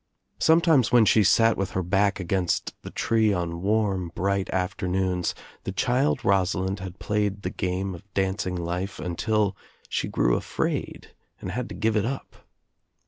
Sometimes when she sat with her back against the tree on warm bright afternoons the child Rosalind had played the game of dancing life until she grew afraid and had to give it up.